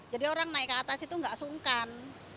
jadi orang naik ke atas itu nggak sungkan